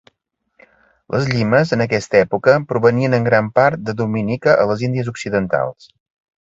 Les llimes en aquesta època provenien en gran part de Dominica a les Índies Occidentals.